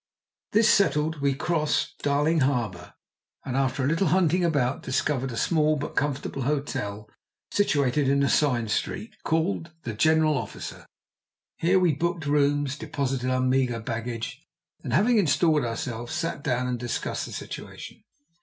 This settled, we crossed Darling harbour, and, after a little hunting about, discovered a small but comfortable hotel situated in a side street, called the General Officer. Here we booked rooms, deposited our meagre baggage, and having installed ourselves, sat down and discussed the situation.